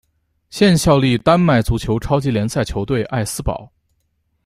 现效力丹麦足球超级联赛球队艾斯堡。